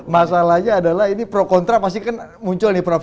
masalahnya adalah ini pro kontra pasti kan muncul nih prof